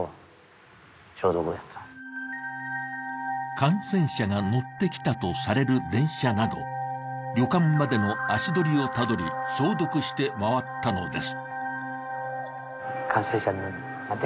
感染者が乗ってきたとされる電車など旅館までの足取りをたどり、消毒して回ったのです。